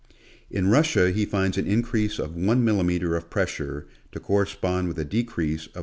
In Russia he finds an increase of one millimeter of pressure to correspond with a decrease of 1°.